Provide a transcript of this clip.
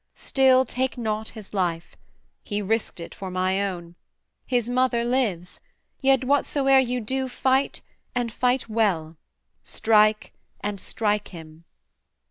Still Take not his life: he risked it for my own; His mother lives: yet whatsoe'er you do, Fight and fight well; strike and strike him.